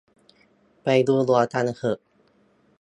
ไปดูดวงกันเหอะ